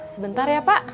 sebentar ya pak